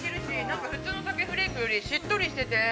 ◆普通のシャケフレークよりしっとりしてて。